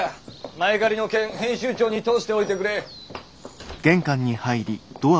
前借りの件編集長に通しておいてくれ。